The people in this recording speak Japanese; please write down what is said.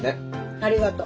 ありがと。